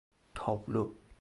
تابلو